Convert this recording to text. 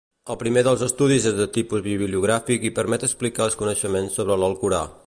El primer dels estudis és de tipus bibliogràfic i permet ampliar els coneixements sobre l'Alcorà.